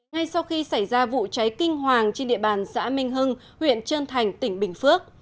ngay sau khi xảy ra vụ cháy kinh hoàng trên địa bàn xã minh hưng huyện trơn thành tỉnh bình phước